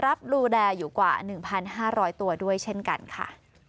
รับดูแลอยู่กว่า๑๕๐๐ตัวด้วยเช่นกันค่ะ